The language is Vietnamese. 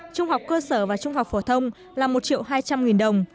trung học cơ sở và trung học phổ thông là một triệu hai trăm linh nghìn đồng